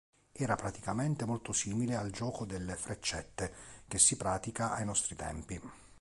Era praticamente molto simile al gioco delle freccette che si pratica ai nostri tempi.